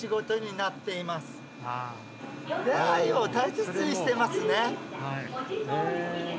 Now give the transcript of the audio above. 出会いを大切にしてますね。